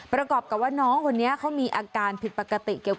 ประกอบกับว่าน้องคนนี้เขามีอาการผิดปกติ